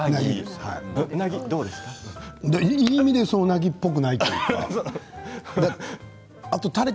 いい意味でうなぎっぽくないというか。